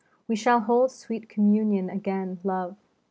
We shall hold sweet communion again, love.